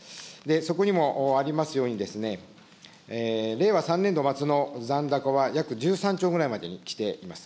そこにもありますように、令和３年度末の残高は約１３兆ぐらいまできています。